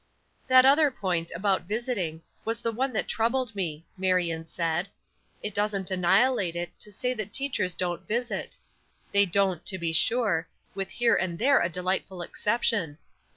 "That other point, about visiting, was the one that troubled me," Marion said. "It doesn't annihilate it to say that teachers don't visit; they don't, to be sure, with here and there a delightful exception.